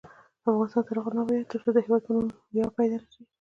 افغانستان تر هغو نه ابادیږي، ترڅو د هیواد په نوم مو ویاړ پیدا نشي.